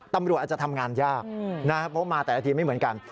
ตำรวจอาจจะทำงานยากนะครับเพราะมาแต่ละทีไม่เหมือนกัน